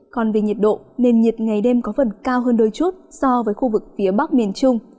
còn về nhiệt độ nền nhiệt ngày đêm có phần cao hơn đôi chút so với khu vực phía bắc miền trung